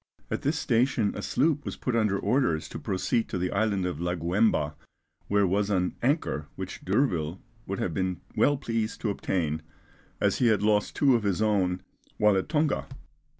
At this station a sloop was put under orders to proceed to the island of Laguemba, where was an anchor which D'Urville would have been well pleased to obtain, as he had lost two of his own while at Tonga.